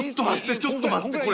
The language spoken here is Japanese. ちょっと待ってこれ。